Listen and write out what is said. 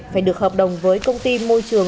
phải được hợp đồng với công ty môi trường